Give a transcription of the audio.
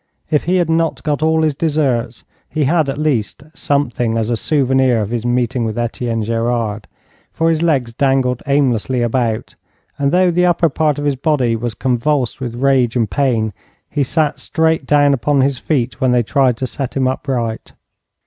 If he had not got all his deserts, he had, at least, something as a souvenir of his meeting with Etienne Gerard, for his legs dangled aimlessly about, and though the upper part of his body was convulsed with rage and pain, he sat straight down upon his feet when they tried to set him upright.